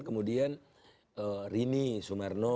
kemudian rini sumerno